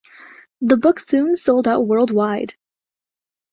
The book soon sold out worldwide.